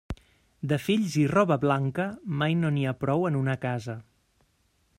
De fills i roba blanca, mai no n'hi ha prou en una casa.